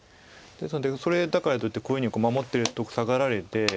ですのでそれだからといってこういうふうに守ってるとサガられてこれ。